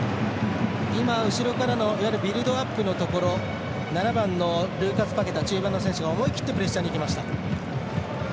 後ろからのビルドアップのところ７番のルーカス・パケタ中盤の選手が思い切ってプレッシャーにいきました。